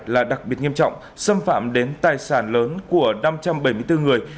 là đặc biệt nghiêm trọng xâm phạm đến tài sản lớn của năm trăm bảy mươi bốn người